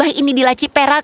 kau akan menangkapku fluff